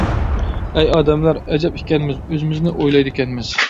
ئەي ئادەملەر، ئەجەب ئىكەنمىز، ئۆزىمىزنى ئويلايدىكەنمىز.